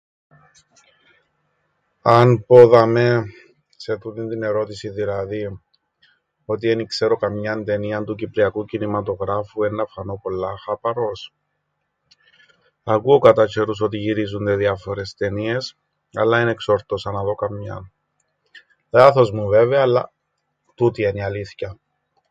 Αν πω δαμαί σε τούτην την ερώτησην δηλαδή ότι εν ι-ξέρω καμιάν ταινίαν του κυπριακού κινηματογράφου εννά φανώ πολλά αχάπαρος; Ακούω κατά τζ̆αιρούς ότι γυρίζουνται διάφορες ταινίες αλλά εν εξόρτωσα να δω καμιάν. Λάθος μου βέβαια αλλά τούτη εν' η αλήθκεια.